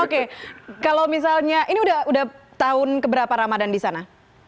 oke kalau misalnya ini udah tahun keberapa ramadan di sana